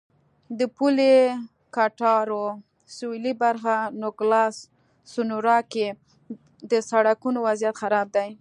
د پولې کټارو سوېلي برخه نوګالس سونورا کې د سړکونو وضعیت خراب دی.